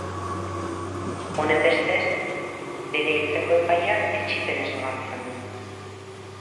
Honenbestez, bere hiltzeko epaia etsipenez onartzen du.